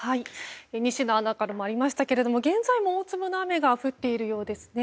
仁科アナからもありましたが現在も大粒の雨が降っているようですね。